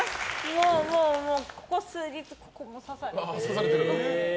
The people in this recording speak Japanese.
もう、ここ数日ここも刺されて。